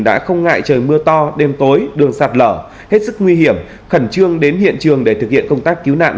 đã không ngại trời mưa to đêm tối đường sạt lở hết sức nguy hiểm khẩn trương đến hiện trường để thực hiện công tác cứu nạn